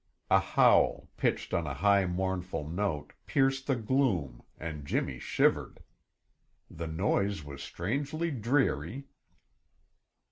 A howl, pitched on a high mournful note, pierced the gloom and Jimmy shivered. The noise was strangely dreary.